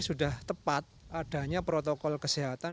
sudah tepat adanya protokol kesehatan